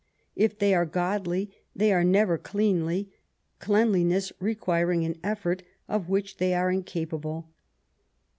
If they are godly, they are never cleanly, cleanliness requiring an effort of which they are incapable.